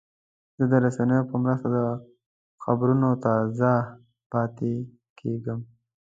زه د رسنیو په مرسته د خبرونو تازه پاتې کېږم.